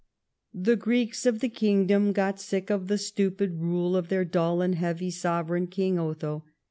The Greeks of the Kingdom got sick of the stupid rule of their dull and heavy sovereign. King Otho.